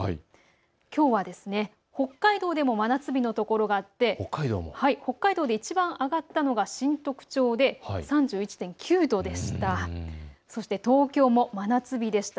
きょうは北海道でも真夏日のところがあって北海道でいちばん上がったのが新得町で３１．９度でした。